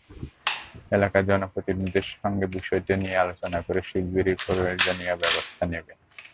এলাকার জনপ্রতিনিধিদের সঙ্গে বিষয়টি নিয়ে আলোচনা করে শিগগিরই প্রয়োজনীয় ব্যবস্থা নেবেন।